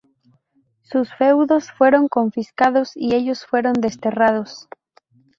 Sus feudos fueron confiscados y ellos fueron desterrados.